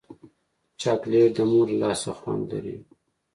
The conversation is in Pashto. چاکلېټ د مور له لاسه خوند لري.